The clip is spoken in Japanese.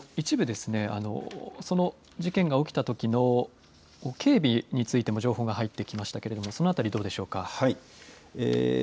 そして一部、その事件が起きたときの警備についても情報が入ってきましたけれどもその辺りどうでしょうか。